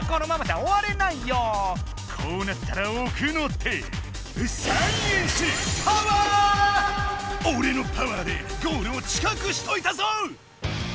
こうなったらおくの手おれのパワーでゴールを近くしといたぞっ！